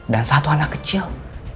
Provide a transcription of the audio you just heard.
dan satu anak kecil